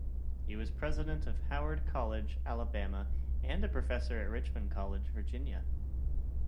He was president of Howard College, Alabama, and a professor at Richmond College, Virginia.